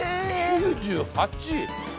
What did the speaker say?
９８！？